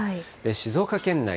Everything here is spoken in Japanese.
静岡県内